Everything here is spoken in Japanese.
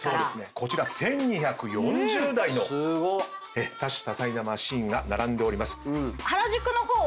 こちら１，２４０台の多種多彩なマシンが並んでおります。